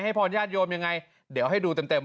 ให้พรญาโยย้มอย่างไรเดี๋ยวให้ดูเต็มว่า